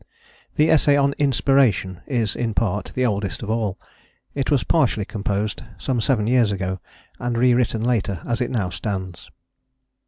The essay on "Inspiration" is, in part, the oldest of all; it was partially composed some seven years ago, and re written later as it now stands.